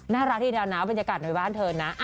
น่ารักดีดาวน้ำเป็นยากาศในบ้านเธอนะ